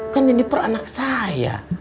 kan jeniper anak saya